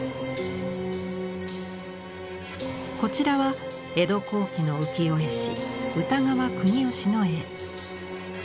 こちらは江戸後期の浮世絵師歌川国芳の絵。